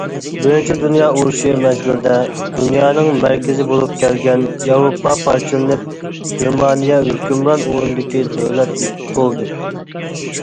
بىرىنچى دۇنيا ئۇرۇشى مەزگىلىدە، دۇنيانىڭ مەركىزى بولۇپ كەلگەن ياۋروپا پارچىلىنىپ، گېرمانىيە ھۆكۈمران ئورۇندىكى دۆلەت بولدى.